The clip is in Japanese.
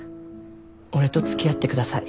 俺とつきあってください。